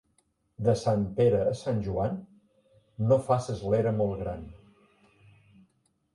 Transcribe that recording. De sant Pere a sant Joan no faces l'era molt gran.